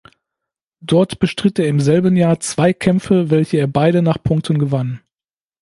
Dort bestritt er im selben Jahr zwei Kämpfe, welche er beide nach Punkten gewann.